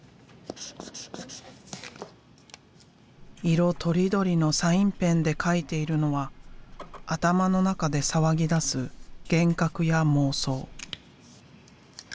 色とりどりのサインペンで描いているのは頭の中で騒ぎだす幻覚や妄想。